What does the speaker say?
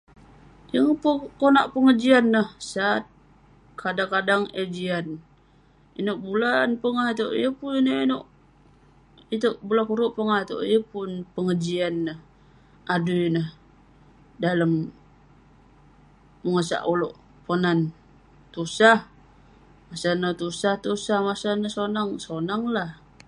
Yeng peh konak pegejian neh sat kadang-kadang neh jian inuek bulan pongah ituek yeng pun ineuk-inuek ituek bulan kurek pongah ituek yeng pun pegejian neh adui neh dalam pogasah oluek ponan, tusah, masa ineh tusah tusah ke sonang sonang keh